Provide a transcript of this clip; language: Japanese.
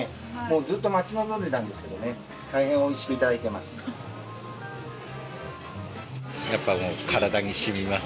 ずっと待ち望んでたんですけどね、大変おいしく頂いています。